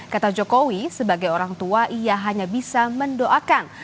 kata jokowi sebagai orang tua ia hanya bisa mendoakan